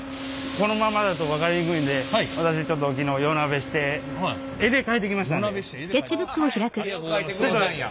このままだと分かりにくいんで私ちょっと昨日夜なべして絵で描いてきてくれたんや。